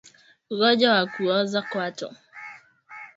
Ugonjwa wa kuoza kwato